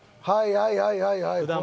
はいはいはいはい。